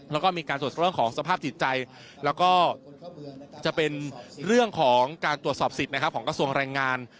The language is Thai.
แล้วก็มีการตรวจเรื่องของสภาพจิตใจแล้วก็จะเป็นเรื่องของการตรวจสอบสิทธิ์นะครับของกระทรวงแรงงาน